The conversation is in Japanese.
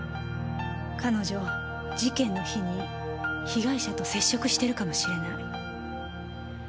彼女事件の日に被害者と接触してるかもしれない。